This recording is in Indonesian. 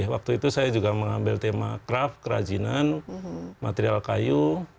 waktu itu saya juga mengambil tema craft kerajinan material kayu